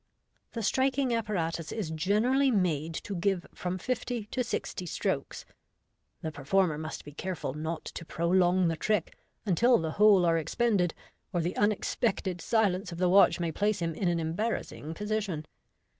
The striking apparatus is generally made to give from fifty to sixty strokes. The performer must be careful not to prolong the trick until the whole are expended, or the unexpected silence of the watch may place him in an embarrassing position.